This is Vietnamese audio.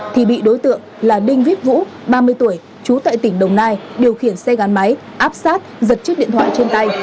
thì bị đối tượng là đinh viết vũ ba mươi tuổi trú tại tỉnh đồng nai điều khiển xe gắn máy áp sát giật chiếc điện thoại trên tay